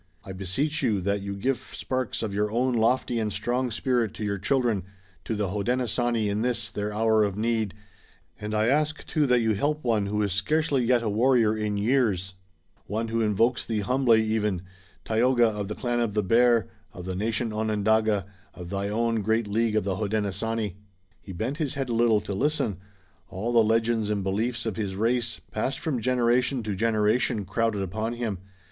I beseech you that you give sparks of your own lofty and strong spirit to your children, to the Hodenosaunee in this, their hour of need, and I ask too, that you help one who is scarcely yet a warrior in years, one who invokes thee humbly, even, Tayoga, of the clan of the Bear, of the nation Onondaga, of thy own great League of the Hodenosaunee!" He bent his head a little to listen. All the legends and beliefs of his race, passed from generation to generation, crowded upon him.